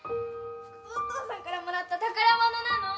お父さんからもらった宝物なの！